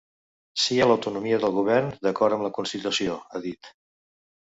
Sí a l’autonomia del govern d’acord amb la constitució, ha dit.